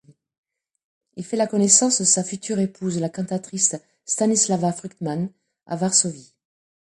Il fait la connaissance de sa future épouse, la cantatrice Stanislawa Fruchtmann, à Varsovie.